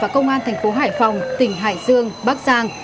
và công an thành phố hải phòng tỉnh hải dương bắc giang